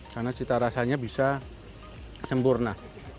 karena cita rasanya bisa sempurna